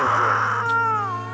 ambil darah kamu sedikit ya